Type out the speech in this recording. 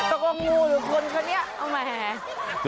เอามาแห่